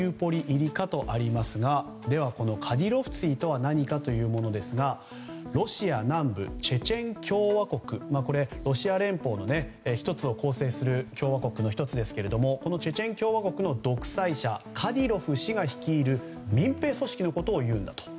入りかとありますがでは、このカディロフツィとは何かというものですがロシア南部チェチェン共和国ロシア連邦の１つを構成する共和国の１つですがこのチェチェン共和国の独裁者カディロフ氏が率いる民兵組織のことをいうんだと。